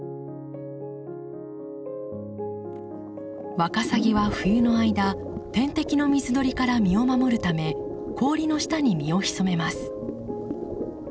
ワカサギは冬の間天敵の水鳥から身を守るため氷の下に身を潜めます。